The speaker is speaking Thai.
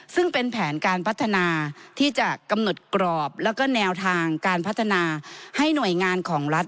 ซึ่งเป็นแผนการพัฒนาที่จะกำหนดกรอบแล้วก็แนวทางการพัฒนาให้หน่วยงานของรัฐ